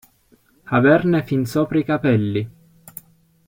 Averne fin sopra i capelli.